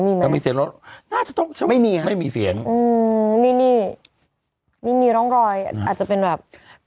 นี่ร้องรอยอาจจะเป็นแบบ